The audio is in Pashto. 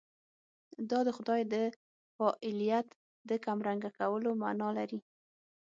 دا د خدای د فاعلیت د کمرنګه کولو معنا لري.